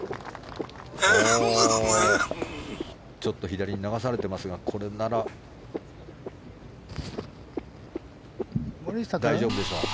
ちょっと左に流されていますがこれなら大丈夫でしょう。